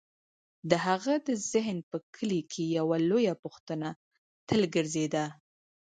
د هغه د ذهن په کلي کې یوه لویه پوښتنه تل ګرځېده: